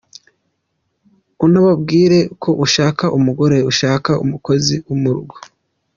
Unababwire ko ushaka umugore udashaka umukozi wo mu rugo.